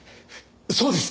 そうです！